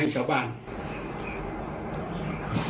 อ๋ออาจารย์ฟิลิป